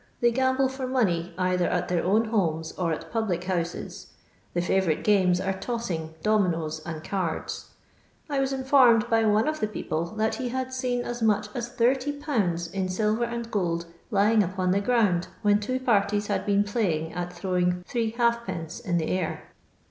They gamble for money, either at their own homes or at public houses. The fovourite games are tossing, dominoes, and cards. I was informed, by one of the people, that he had seen as much as 30/. in silver nnd gold lying upon the ground when two parties had bioen pUiying at throwing three halfpence in the air.